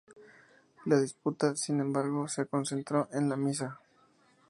La disputa, sin embargo, se concentró en la "Misa".